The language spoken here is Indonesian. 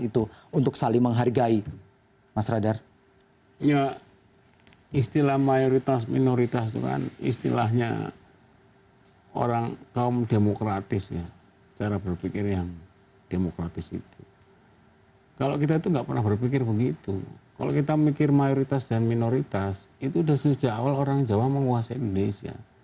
itu udah sejak awal orang jawa menguasai indonesia